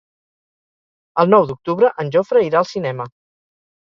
El nou d'octubre en Jofre irà al cinema.